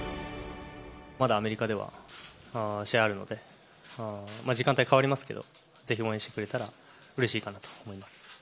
まだアメリカでは試合があるので、時間帯変わりますけど、ぜひ応援してくれたらうれしいかなと思います。